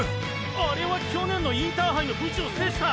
あれは去年のインターハイの富士を制した